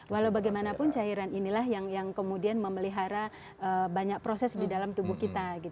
walau bagaimanapun cairan inilah yang kemudian memelihara banyak proses di dalam tubuh kita